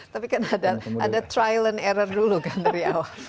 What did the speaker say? tapi kan ada trial and error dulu kan dari awal